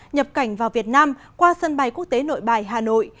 nhập cảnh vào việt nam qua sân bay quốc tế nội bài hà nội